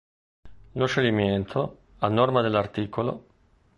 Lo scioglimento, a norma dell'art.